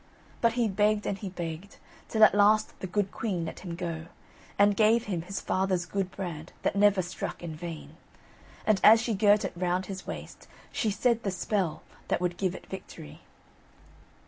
But he begged, and he begged, till at last the good queen let him go, and gave him his father's good brand that never struck in vain. And as she girt it round his waist, she said the spell that would give it victory.